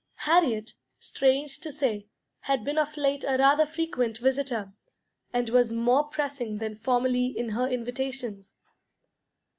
Harriet, strange to say, had been of late a rather frequent visitor, and was more pressing than formerly in her invitations.